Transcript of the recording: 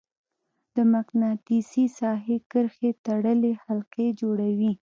د مقناطیسي ساحې کرښې تړلې حلقې جوړوي.